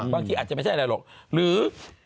บางทีอาจจะไม่ใช่อะไรหรอกหรือ